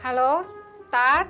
jadi terus dipanaskan di